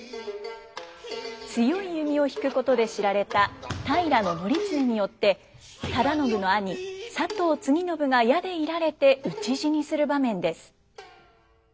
強い弓を引くことで知られた平教経によって忠信の兄佐藤継信が矢で射られて討ち死にする場面です。